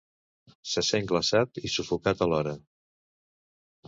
Se sent glaçat i sufocat alhora.